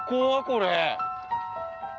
これ。